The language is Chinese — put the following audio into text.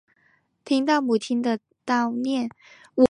听到母亲的叨念